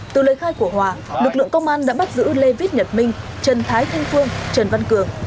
từ lời khai của hòa lực lượng công an đã bắt giữ lê viết nhật minh trần thái thanh phương trần văn cường